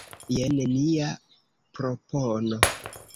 Jen nia propono.